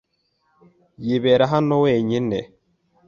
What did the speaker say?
Yibera hano wenyine.